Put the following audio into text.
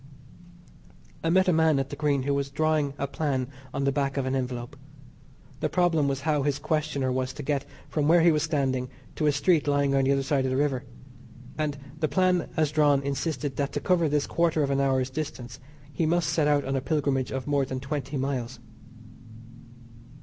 I met a man at the Green who was drawing a plan on the back of an envelope. The problem was how his questioner was to get from where he was standing to a street lying at the other side of the river, and the plan as drawn insisted that to cover this quarter of an hour's distance he must set out on a pilgrimage of more than twenty miles.